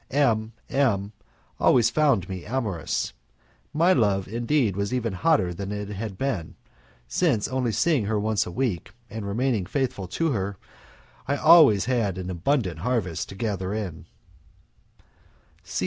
M M always found me amorous. My love, indeed, was even hotter than it had been, since, only seeing her once a week and remaining faithful to her, I had always an abundant harvest to gather in.